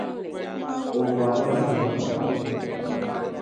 O vɔri la zoomba.